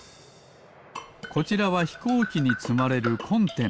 こちらはひこうきにつまれるコンテナ。